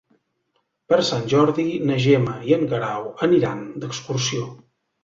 Per Sant Jordi na Gemma i en Guerau aniran d'excursió.